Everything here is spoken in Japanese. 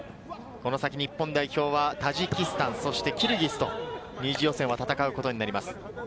この先、日本代表はタジキスタン、キルギスと２次予選は戦うことになります。